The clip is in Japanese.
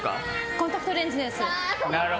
コンタクトレンズです。